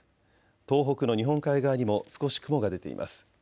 東北の日本海側にも少し雲が出ています。